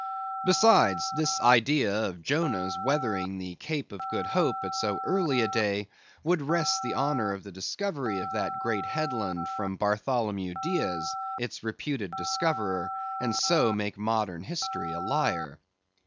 Besides, this idea of Jonah's weathering the Cape of Good Hope at so early a day would wrest the honor of the discovery of that great headland from Bartholomew Diaz, its reputed discoverer, and so make modern history a liar.